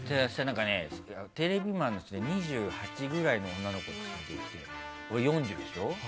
テレビマンの人が２８くらいの女の子を連れてきて、俺、４０でしょ。